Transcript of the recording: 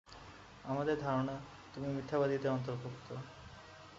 আমাদের ধারণা, তুমি মিথ্যাবাদীদের অন্তর্ভুক্ত।